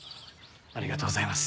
ありがとうございます。